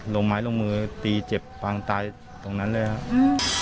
ลงไม้ลงมือตีเจ็บปางตายตรงนั้นเลยครับ